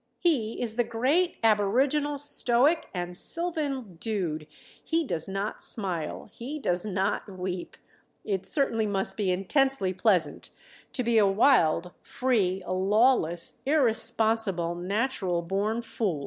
He is the great aboriginal stoic and sylvan dude. He does not smile. He does not weep. It certainly must be intensely pleasant to be a wild, free, lawless, irresponsible, natural born fool.